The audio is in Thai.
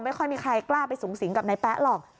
ไม่ค่อยมีใครกล้าไปสูงสิงกับนายแป๊ะหรอก